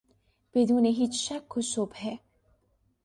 بدون هیچ شک و شبهه